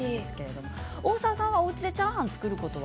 大沢さんはおうちでチャーハンを作ることは？